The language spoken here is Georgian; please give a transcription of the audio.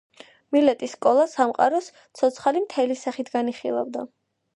მილეტის სკოლა სამყაროს ცოცხალი მთელის სახით განიხილავდა.